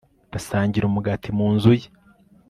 basangira umugati mu nzu ye